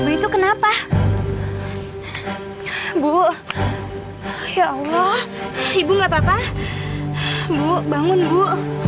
ibu itu kenapa bu ya allah ibu nggak papa bu bangun bu